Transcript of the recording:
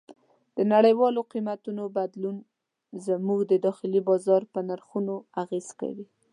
د نړیوالو قیمتونو بدلون زموږ د داخلي بازار په نرخونو اغېز کوي.